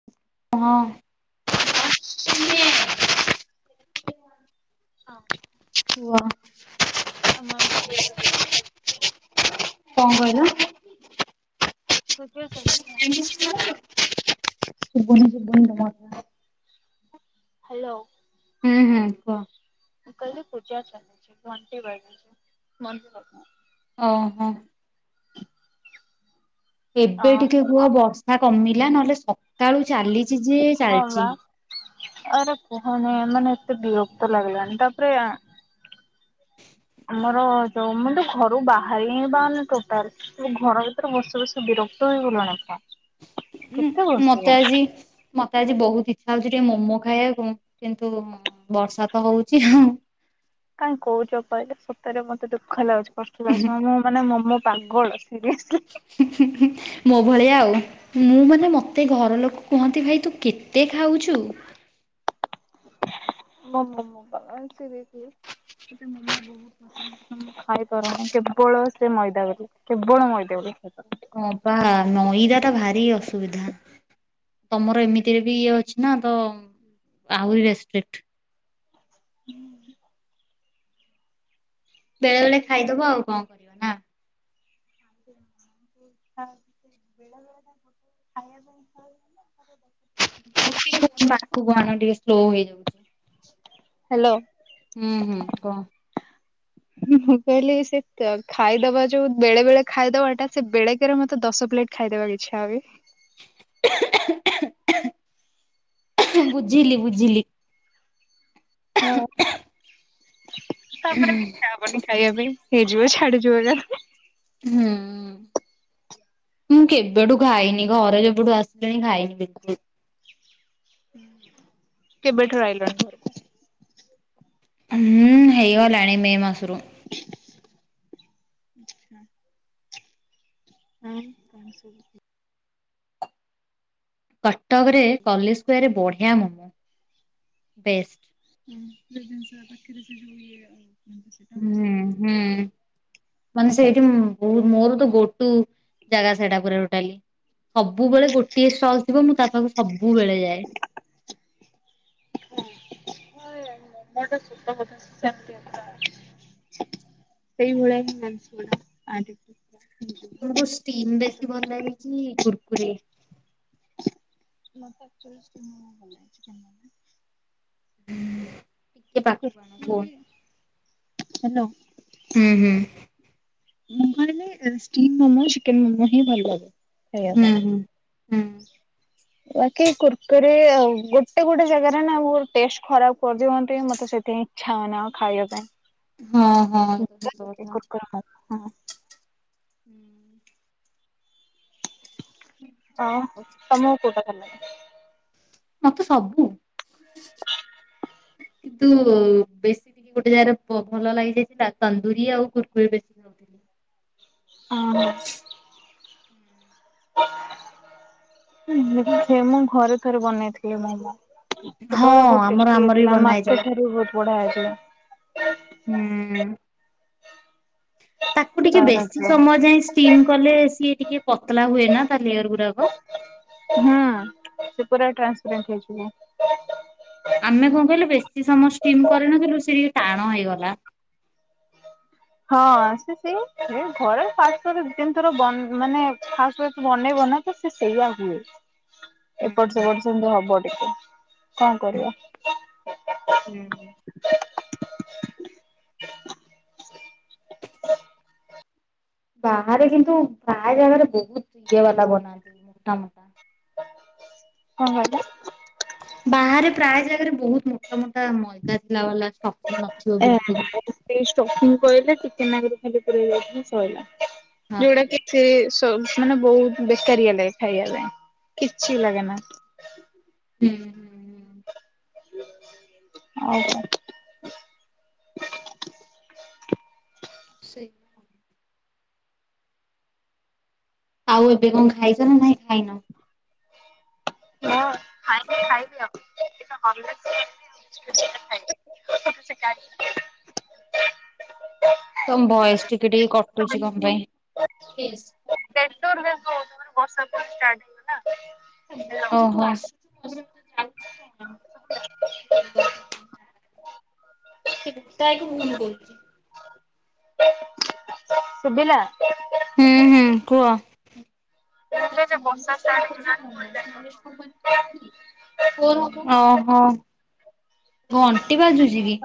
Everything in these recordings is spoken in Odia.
ହଁ [unintelligible] ହଁ। କୁଅ? ଆ ମ ମ୍ [unintelligible] କଣ କହିଲ? [unintelligible] ଶୁବୁନି ଶୁବୁନି ଜମା ଅପା। ହାଲୋ। ହୁଁ ହୁଁ, କୁହ? ମୁଁ କଇଲି ପୂଜା ଚାଲିଚି, ଘଣ୍ଟି ବାଜୁଚି, ମନ୍ଦିର? ଓହୋ। ଏବେ ଟିକେ କୁହ ବର୍ଷା କମିଲା, ନହେଲେ ସକାଳୁ ଚାଲିଛି ଯେ ହଁ ବା, ଚାଲିଛି। ଆରେ କୁହନି, ମାନେ ଏତେ ବିରକ୍ତ ଲାଗିଲାଣିି। ତାପରେ ଆ ଆମର ଯୋଉ ମୁଁ, ତ ଘରୁ ବାହାରି ହିଁ ପାରୁନି ଟୋଟାଲ। ସବୁ ଘର ଭିତରେ ବସି ବସି ବିରକ୍ତ ହେଇଗଲିଣି ତ। ମୁଁ ମତେ ଆଜି ମତେ ଆଜି ବହୁତ ଇଚ୍ଛା ହଉଛି ଟିକେ ମୋମୋ ଖାଇବାକୁ କିନ୍ତୁ ବର୍ଷା ତ ହଉଛି ଆଉ। କାଇଁ କହୁଛ କହିଲେ ସତରେ ମତେ ଦୁଃଖ ଲାଗୁଛି କଷ୍ଟ ଲାଗୁଛି ମାନେ ମୁଁ ମାନେ ମମୋ ପାଗଳ ସିରିଏସଲି। ହୁଁ ହୁଁ ହୁଁ ମୋ ଭଳିଆ ଆଉ। ମୁଁ ମାନେ ମତେ ଘର ଲୋକ କୁହନ୍ତି ଭାଇ ତୁ କେତେ ଖାଉଛୁ। [unintelligible] ମୁଁ ଖାଇପାରୁନି କେବଳ ସେ ମଇଦା ବୋଲି କେବଳ ମଇଦା ବୋଲି ଖାଇପାରୁନି। ହଁ ପା ନଈଦାଟା ଭାରି ଅସୁବିଧା। ତମର ଏମିତିରେ ବି ଇଏ ଅଛି। ତ ଆହୁରି ରେସେପେଟ [inaudible] ବେଳେ ବେଳେ ଖାଇଦବ। ଆଉ କଣ କରିବ? ନା। [inaudible] ପାଖକୁ ଆଣ ଟିକେ ସ୍ଲୋ ହେଇଯାଉଛି। ହ୍ୟାଲୋ। ହୁଁ ହୁଁ କୁହ। ମୁଁ କହିଲି ସେ ଖାଇଦବା ଯୋଉ ବେଳେ ବେଳେ ଖାଇଦବାଟା ସେ ବେଳେକେରେ ମତେ ଦଶ ପ୍ଲେଟ ଖାଇଦବାକୁ ଇଚ୍ଛା ହୁଏ। ବୁଝିଲି ବୁଝିଲି। ହଁ। ତାପରେ ଆଉ ଇଚ୍ଛା ହବନି ଖାଇବା ପାଇଁ। ହେଇଯିବ ଛାଡିଯିବଯାହା। ହୁଁ। ମୁଁ କେବେଠୁ ଖାଇନି ଘରେ ଯେବେଠୁ ଆସିଲିଣି ଖାଇନି ବିଲକୁଲ। କେବେଠାରୁ ଆଇଲଣି? ଘରକୁ? ହୁଁ ହେଇଗଲାଣି ମେ ମାସରୁ। [inaudible] ହୁଁ। କଟକରେ କଲେଜ ସ୍କୋୟାରରେ ବଢ଼ିଆ ମୋମୋ। ବେଷ୍ଟ। [inaudible] ହୁଁ ହୁଁ। ମାନେ ସେଇଠି ମୋର ତ ଗୋଟୁ ଜାଗା ସେଇଟା ପରା ଟୋଟଲି। ସବୁବେଳେ ଗୋଟିଏ ଷ୍ଟଲ ଥିବ। ମୁଁ ତା ପାଖକୁ ସବୁବେଳେ ଯାଏ। [inaudible] ମୋମୋଟା [unintelligible] ସେଇଭଳିଆ ହିଁ [unintelligible] ତମକୁ ଷ୍ଟିମ୍ ବେଶୀ ଭଲ ଲାଗେକି କୁର୍କୁରେ? [inaudible] [unintelligible] ହାଲୋ। ହୁଁ ହୁଁ। ମୁଁ କହିଲି ସ୍ଟିମ୍ ମୋମୋ ଚିକେନ୍ ମୋମୋ ହିଁ ଭଲ୍ଲାଗେ। ହୁଁ ହୁଁ ହୁଁ। ବାକି କୁର୍କୁରି ଆଉ ଗୋଟେ ଗୋଟେ ଜାଗାରେ ନା ମୋର୍ ଟେଷ୍ଟ ଖରାପ୍ କର୍ଦିଅନ୍ତି ମତେ ସେଥିପାଇଁ ଇଛାଉନି ଆଉ ଖାଇବା ପାଇଁ। ହଁ, ହଁ। ସେଇଟା ବି ସତକଥା। କୁର୍କୁରି ଖାଇବା ହଁ। ହୁଁ। ଆଉ ତମକୁ କୋଉଟା ଭଲ ଲାଗେ? ମତେ ସବୁ। କିନ୍ତୁ ବେଶୀ ଗୋଟେ ଜାଗାରେ ବ ଭଲ ଲାଗିଯାଇଛି ତା ତନ୍ଦୁରି ଆଉ କୁୁର୍କୁରି ବେଶୀ ଓକେ। ହଁ, ହଁ। ସେ ମୁଁ ଘରେ ଥରେ ବନେଇଥିଲି ମୋମୋ। ହଁ ସେତବେଳେ ବହୁତ୍ ଆମର ଟେଷ୍ଟି ଆମର ବି ହେଇଥିଲା। ବନା ମର୍କେଟ୍ ହେଇଥିଲା। ଠାରୁ ବହୁତ୍ ବଢିଆ ହେଇଥିଲା। ହୁଁ। ତାକୁ ଟିକେ ତାର ବେଶି ହୁଁ ସମୟ ଯାଏ ଷ୍ଟିମ୍ କଲେ ସିଏ ଟିକେ ପତଳା ହୁଏ ନା ତା ଲେୟର ଗୁଡାକ? ହୁଁ ସେ ପୁରା ଟ୍ରାନ୍ସପେଣ୍ଟ ହେଇଯିବ। ଆମେ କଁ କହିଲୁ ବେଶୀ ସମୟ ଷ୍ଟିମ୍ କରିନ ଥିଲୁ ସେ ଟିକେ ଟାଣ ହେଇଗଲା। ହଁ ସେ ସେଇ ଘରେ ପାଷ୍ଟ ଦି, ତିନି ଥର ମାନେ ଫାଷ୍ଟରେ ବନେଇବ ନାଁ ଉଁ ସେ ସେଇଆ ହୁଏ। ହୁଁ। ଏପଟ୍ ସେପଟ୍ ସେମିତି ହବ ଟିକେ କଣ କରିବା? ହୁଁ। ବାହାରେ କିନ୍ତୁ ପ୍ରାଏ ଜାଗାରେ ବହୁତ ଇଏ ବାଲା ବନାନ୍ତି ମୋଟା ମୋଟା। କଣ କହିଲ? ବାହାରେ ପ୍ରାଏ ଜାଗାରେ ବହୁତ ମୋଟା ମୋଟା ମଇଦା ଥିଲା ବଲା ଷ୍ଟଫିନ ନଥିବ ଏ ବିଲକୁଲ୍। ସେଇ ସ୍ଟଫିଙ୍ଗ୍ କହିଲେ ଟିକେ ନାଗୁରୁ ଖାଲି ପୁରେଇ ଦେଲେ ସଇଲା। ହଁ ହୁଁ ଯୋଉଟା କିଛି ସେ ଯୋଉ ମାନେ ବହୁତ୍ ବେକାରିଆ ଲାଗେ ଖାଇବା ପାଇଁ କିଛି ଲାଗେ ନା। ଉଁହୁଁ, ହୁଁ, ହୁଁ। ଅହ। ସେଈ। ଆଉ ଏବେ କଣ ଖାଇଛ ନା ନାଇଁ ଖାଇନ? ହଁ ଖାଇନି ଖାଇବି ଆଉ [inaudible] [inaudible] ତମ୍ ଭଏସ୍ ଟିକେ ଟିକେ କଟୁଚି କଣ ପାଇଁ? ନେଟୱାର୍କ ଇସୁ ହୋଉଛି ମାନେ ବର୍ଷା ତ ଷ୍ଟାର୍ଟ ହେଇଗଲା। ଓହୋ। [unintelligible] ଏ ବୁଟାଈ କୁ ଭୁଲୁ କହୁଚି। ଶୁଭିଲା। ହୁଁ, ହୁଁ କୁହ? ତ ମନ୍ଦିର ସଙ୍କୋଚିତ ହ [unintelligible] ବ ଓହୋ। ଘଣ୍ଟି ବାଜୁଛି କି?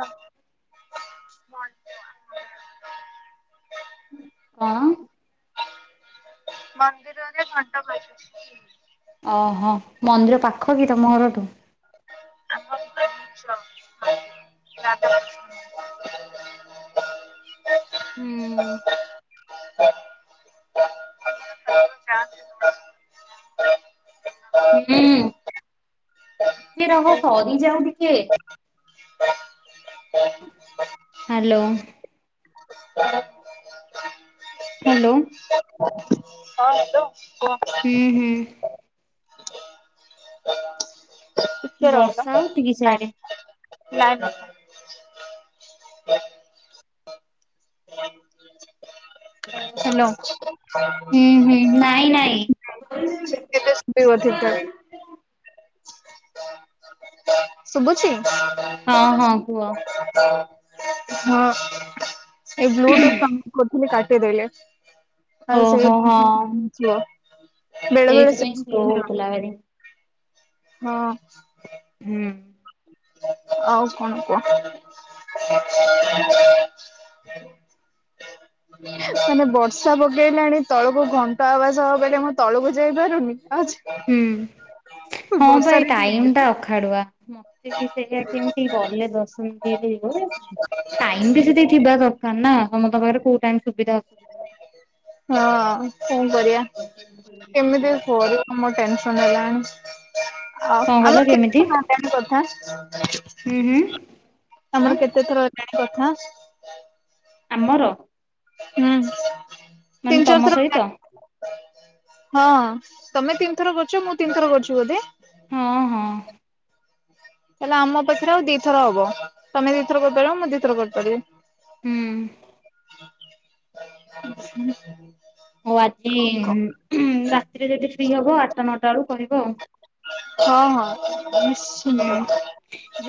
କଣ? ମନ୍ଦିରରେ ଘଣ୍ଟ ବାଜୁଚି। ଅହ ମନ୍ଦିର ପାଖ କି ତମ ଘରଠୁ? [unintelligible] ନାଁତ। ହୁଁ ହୁଁ। ଟିକେ ରହ ସରିଯାଉ ଟିକେ। ହ୍ୟାଲୋ। [inaudible] ହ୍ୟାଲୋ। ହଁ ହାଲୋ କୁହ। ହୁଁ ହୁଁ। ବର୍ଷା ହଉଛିକି ସିଆଡେ। ନା ନା। [inaudible] ହାଲୋ। ହୁଁ ହୁଁ ନାଇଁ [unintelligible] ଠିକ ନାଇଁ ଠାକ। ଶୁଭୁଛି। ହଁ ଏ ବ୍ଲୁଟୁଥ କନେକ୍ଟ କରଥିଲି କାଟିଦଲି। ସେ ଓହୋ ହଁ [inaudible] ବେଳେବେଳେ ସେ [inaudible] କୋଲାବେରୀ ହଁ। ହୁଁ। ଆଉ କଣ କୁହ। ମାନେ ବର୍ଷା ପକେଇଲାଣି ତଳକୁ ଘଣ୍ଟା ଆବାଜ୍ ହେବ ବୋଲି ମୁଁ ତଳକୁ ଯାଇପାରୁନି। ହୁଁ ହଁ ବା ବର୍ଷାରେ ଟାଇମ୍ ଟିକେ ଟା ଅଖାଡୁଆ। ମତେ ବି ସେଇଆ କେମିତି ଗଲେ ଦର୍ଶନ ହେଇଯିବ ଟାଇମ୍ ବି ସେତକି ଥିବା ଦରକାର ନା ସମସ୍ତଙ୍କ ପାଖରେ କୋଉ ଟାଇମ୍ ସୁବିଧା ଅସୁବିଧା। ହଁ କଣ କରିବା କେମିତି କରିବି ମୋର ଟେନ୍ସନ୍ ହେଲାଣି। ଆଉ କଣ ଆମର କହିଲ କେମିତି? କେତେ [inaudible] କଥା। ହୁଁ ହୁଁ। କଣ? ଆମର କେତେ ଥର ହେଲାଣି କଥା? ଆମର। ହୁଁ ମାନେ ତିନି ଚାର ତମ ଥର ସହିତ ହେଲାଣି। ହଁ ତମେ ତିନିଥର କରିଛ ମୁଁ ତିନିଥର କରିଛି ବୋଧେ। ହଁ ହଁ। ତାହେଲେ ଆମ ପାଖରେ ଆଉ ଦି ଥର ହବ ତମେ ଦି ଥର କରିପାରିବ ମୁଁ ଦି ଥର କରିପାରିବି। ହୁଁ। ଉଁ ହୁଁ। ହଉ ଆଜି ରାତିରେ ଯଦି ଫ୍ରି ହେବ ଆଠଟା ନଅଟା ବେଳୁ କରିବ। ହଁ ହଁ। ହୁଁ ନିଶ୍ଚିନ୍ତ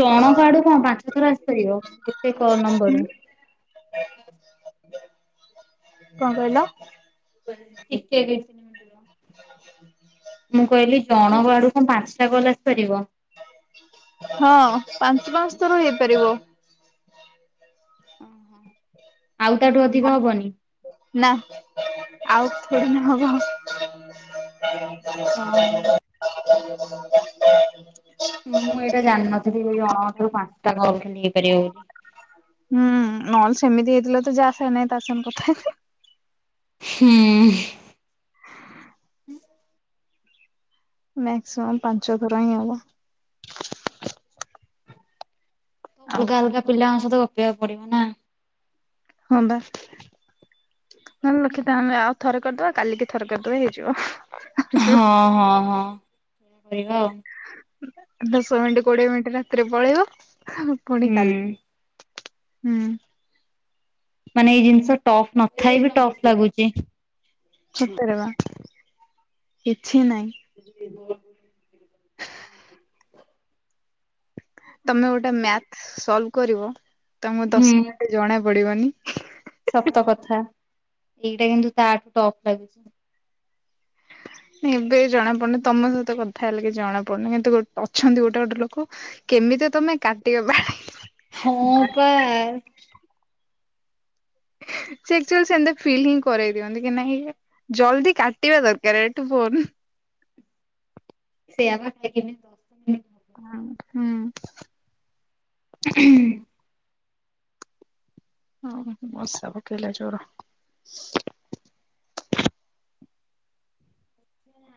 ଜଣକ ଆଡୁ କଣ ପାଞ୍ଚ ଥର ଆସିପାରିବ ଗୋଟେ କ ନମ୍ବରରୁ। କଣ କହିଲ? [unintelligible] ଟିକେ ବେଶୀ। [unintelligible] ମୁଁ କହିଲି ଜଣଙ୍କ ଆଡୁ କଣ ପାଞ୍ଚଟା କଲ୍ ଆସିପାରିବ। ହଁ ପାଞ୍ଚ ପାଞ୍ଚ ଥର ହେଇପାରିବ। ଆଉ ତାଠୁ ଅଧିକ ହବନି? ନା ଆଉ କଉ ଦିନ ହବ। [inaudible] ଓହୋ ମୁଁ ଏଇଟା ଜାଣିନଥିଲି ଯେ ଜଣକ ଠାରୁ ପାଁଶଟା କଲ୍ ଖାଲି ହେଇପାରିବ ବୋଲି। ହୁଁ ନହେଲେ ସେମିତି ହେଇଥିଲେ ତ ଯାହା ସଙ୍ଗେ ନାଇଁ ତା ସାଙ୍ଗେ କଥା ହେଇଥାନ୍ତୁ। ହୁଁ। ମ୍ୟାକ୍ସିମମ୍ ପାଞ୍ଚଥର ହିଁ ହବ। ତ ଆଉ ଅଲଗା କଣ। ଅଲଗା ପିଲାଙ୍କ ସହିତ ଗପିବାକୁ ପଡିବ ନା? ହଁ ବା। ନହଲେ ଲଖିତା ଆମେ ଆଉ ଥରେ କରଦବା କାଲିକି ଥରେ କରଦବା ହେଇଯିବ। ହେଇଯିବ। ହଁ ହଁ ହଁ ସେଇଆ କରିବା ଆଉ। ଦଶ ମିଣ୍ଟି କୋଡ଼ିଏ ମିଣ୍ଟି ରାତିରେ ପଳେଇବ ଫୁଣି ହୁଁ କାଲା। ହୁଁ। ମାନେ ଏଇ ଜିନିଷ ଟଫ୍ ନଥାଇ ବି ଟଫ୍ ଲାଗୁଚି। ଛତରେ ବା କିଛି ନାଇଁ। ସେହି ହୁଅ ତମେ ଗୋଟେ ମ୍ୟାଥ୍ ସଲଭ କରିବ ତମକୁ ହୁଁ। ଦଶ ମିଣ୍ଟି ଜଣା ପଡ଼ିବନି। ସତ କଥା ଏଇଟା କିନ୍ତୁ ତାଠୁ ଟଫ୍ ଲାଗୁଚି। ନାଇଁ ଏବେ ଜଣାପଡ଼ୁନି ତମ ସହିତ କଥା ହେଲେ କି ଜଣାପଡ଼ୁନି କିନ୍ତୁ ଗୋଟ ଅଛନ୍ତି ଗୋଟେ ଗୋଟେ ଲୋକ କେମିତି ରେ ତମେ କାଟିବ ଭାଇ। ହଁ ପା ସେ ଏକ୍ଚୁଆଲି ସେନ୍ତା ଫିଲ୍ ହିଁ କରେଇ ଦିଅନ୍ତି କି ନାହିଁ ଇଏ ଜଲ୍ଦି କାଟିବା ଦରକାର ଏଇଠୁ ଫୋନ୍। ସେଇଆ ବା ଭାଇ କେମିତ ରଖ ହଁ ହୁଁ। ଉଁ ଉଁହୁଁ। ହଁ ହଁ ବର୍ଷା ପକେଇଲା ଜୋର।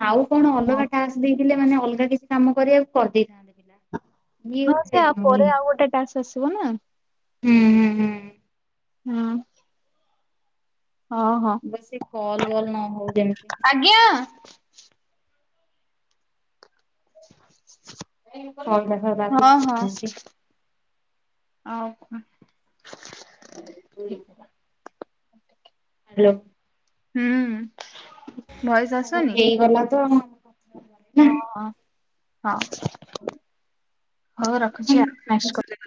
ଆଉ କଣ ହଉ ଅଲଗା ଟାକ୍ସ ଦେଇଥିଲେ ମାନେ ଅଲଗା କିଛି କାମ କରିବାକୁ କରିଦେଇଥାନ୍ତେ ପିଲା। ଇଏ ହଁ ଗୋଟେ ସେ ଆଉ ହୁଁ ପରେ ଆଉ ଗୋଟେ ଟାସ୍ ଆସିବ ନା। ଉଁ ହୁଁ। ହୁଁ ହୁଁ। ହଁ ହଁ। ବେଶି କଲ ବଲ ନ ହଉ ଯେମତି। ଆଜ୍ଞା। ସଇଲା ସଇଲା ତିନି ହଁ ଚାରି ହଁ। ମିନିଟ୍। ଆଉ କଣ ହେଇଗରା ହାଲୋ। ହୁଁ ଭଏସ ହଉ ଆସପାରୁନି ହେଇଗଲା ତ ନା। ହଁ। ହଁ। ହଉ ରଖୁଚି ଆ ନେକ୍ସଟ କଲରେ କଥ